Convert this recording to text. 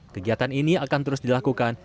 kegiatan ini akan terus dilakukan